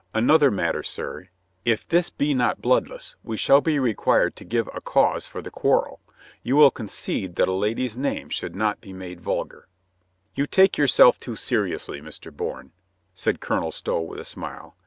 "An other matter, sir. If this be not bloodless we shall be required to give a cause for the quarrel. You will concede that a lady's name should not be made vul gar." "You take yourself too seriously, Mr. Bourne," said Colonel Stow with a smile.